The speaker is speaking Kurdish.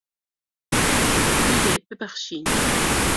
Tu yê bibexşînî.